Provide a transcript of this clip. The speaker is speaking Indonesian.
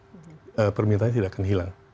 dan permintaannya tidak akan hilang